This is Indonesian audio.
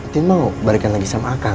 tin mau balikan lagi sama akan